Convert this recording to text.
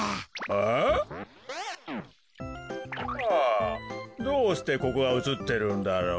あっ！？どうしてここがうつってるんだろう？